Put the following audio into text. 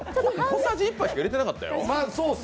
小さじ１杯しか入れてなかったよ。